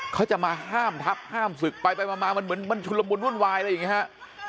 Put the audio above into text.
เขาจะมาห้ามทับห้ามศึกไปไปมามันเหมือนมันชุนละมุนวุ่นวายอะไรอย่างนี้ฮะ